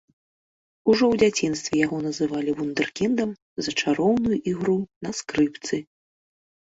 Ужо ў дзяцінстве яго называлі вундэркіндам за чароўную ігру на скрыпцы.